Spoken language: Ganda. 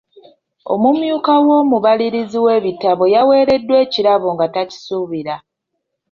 Omumyuka w'omubalirizi w'ebitabo yaweereddwa ekirabo nga takisuubira.